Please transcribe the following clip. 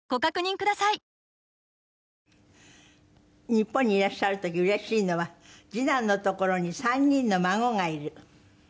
日本にいらっしゃる時うれしいのは次男の所に３人の孫がいる。